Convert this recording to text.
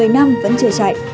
một mươi năm vẫn chưa chạy